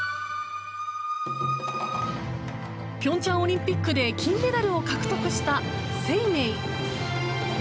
平昌オリンピックで金メダルを獲得した「ＳＥＩＭＥＩ」。